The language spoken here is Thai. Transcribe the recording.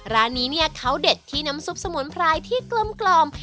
ร้านนี้เนี่ยเขาเด็ดที่น้ำซุปสมุนไพรที่กลม